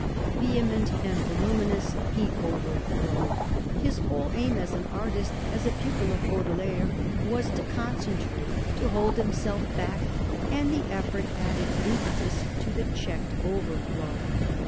Vehement and voluminous, he overflowed: his whole aim as an artist, as a pupil of Baudelaire, was to concentrate, to hold himself back; and the effort added impetus to the checked overflow.